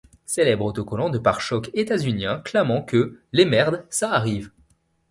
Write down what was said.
Célèbre autocollant de pare-chocs étasunien clamant que « Les merdes, ça arrive ».